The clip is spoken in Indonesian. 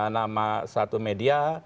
nama satu media